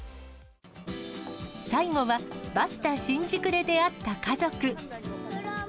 最後はバスタ新宿で出会った家族。